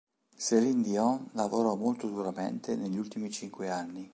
Céline Dion lavorò molto duramente negli ultimi cinque anni.